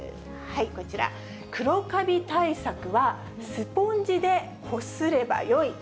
こちら、黒かび対策は、スポンジでこすればよい？